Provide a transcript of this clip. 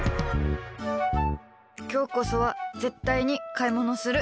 今日こそは絶対に買い物する。